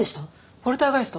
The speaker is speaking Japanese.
ポルターガイスト？